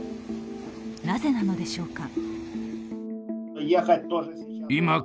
なぜなのでしょうか。